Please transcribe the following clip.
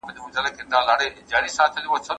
که زده کوونکي په خپله ژبه بحث وکړي ګډون ولې نه کمېږي؟